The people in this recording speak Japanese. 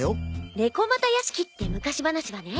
『猫又屋敷』って昔話はね